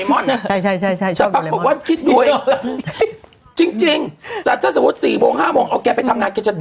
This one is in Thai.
ไม่ใช่ชอบบริโมนาฬิกาแต่ถ้าสมมุติ๔๕โมงเอาแกไปทำงานแกจะด่า